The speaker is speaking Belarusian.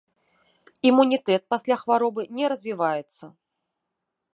Імунітэт пасля хваробы не развіваецца.